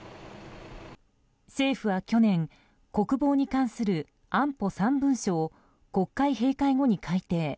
政府は去年国防に関する安保３文書を国会閉会後に改定。